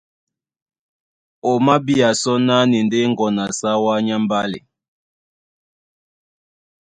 O mabíá sɔ́ ná na e ndé ŋgɔn a sáwá nyá mbálɛ.